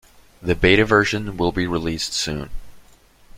The Beta version will be released soon.